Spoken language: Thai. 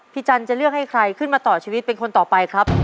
จันจะเลือกให้ใครขึ้นมาต่อชีวิตเป็นคนต่อไปครับ